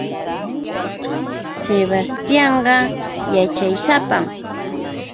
Sebastianqa yaćhaysapam.